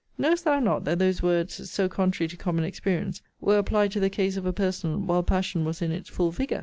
Knowest thou not that those words (so contrary to common experience) were applied to the case of a person, while passion was in its full vigour?